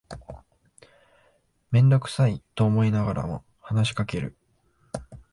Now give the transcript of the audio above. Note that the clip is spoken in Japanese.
めんどくさいと思いながらも話しかける